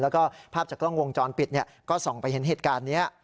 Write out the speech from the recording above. แล้วก็ภาพจากกล้องวงจรปิดก็ส่องไปเห็นเหตุการณ์นี้